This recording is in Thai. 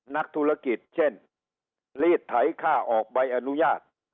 นักธุรกิจเช่นรีดไถค่าออกใบอนุญาต